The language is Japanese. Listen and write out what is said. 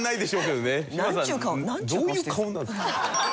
どういう顔なんですか。